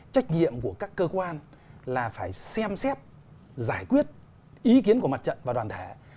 trách nhiệm của các cơ quan là phải xem xét giải quyết ý kiến của mặt trận và đoàn thể